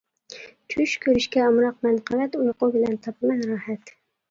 چۈش كۆرۈشكە ئامراقمەن قەۋەت، ئۇيقۇ بىلەن تاپىمەن راھەت.